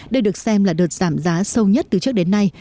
đây được xem là đợt giảm giá sâu nhất từ trước đến nay